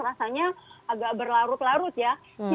rasanya agak berlarut larut ya